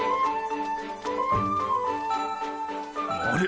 あれ？